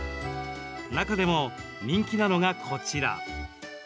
中でも、人気なのがこちら。